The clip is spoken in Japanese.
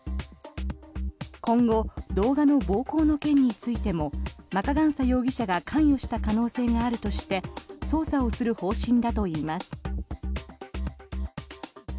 今後、動画の暴行の件についてもマカガンサ容疑者が関与した可能性があるとして捜査をする方針だといいます。